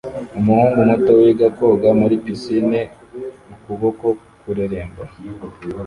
Umuhungu muto wiga koga muri pisine ukuboko kureremba